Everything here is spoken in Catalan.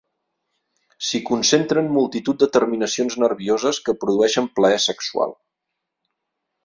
S'hi concentren multitud de terminacions nervioses que produeixen plaer sexual.